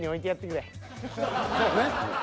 そうね。